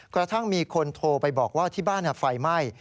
กระทั่งมีคนโทรไปบอกว่าที่บ้านไฟไหม้